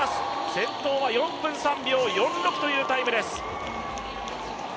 先頭は４分３秒４６というタイムです。